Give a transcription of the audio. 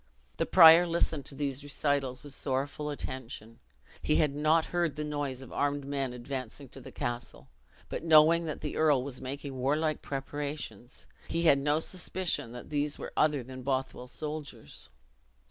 The prior listened to these recitals with sorrowful attention. He had not heard the noise of armed men advancing to the castle; but knowing that the earl was making warlike preparations, he had no suspicion that these were other than the Bothwell soldiers.